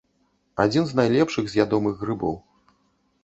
Адзін з найлепшых з ядомых грыбоў.